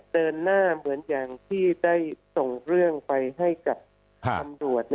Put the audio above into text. เดินหน้าเหมือนอย่างที่ได้ส่งเรื่องไปให้กับตำรวจ